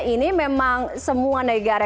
ini memang semua negara